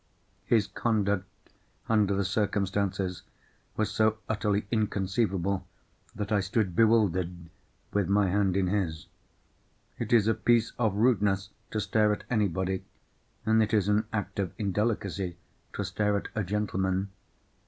His conduct, under the circumstances, was so utterly inconceivable, that I stood bewildered with my hand in his. It is a piece of rudeness to stare at anybody, and it is an act of indelicacy to stare at a gentleman.